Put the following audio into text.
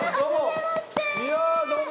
いやどうも。